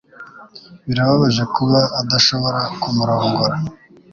Birababaje kuba adashobora kumurongora.